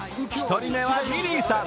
１人目はリリーさん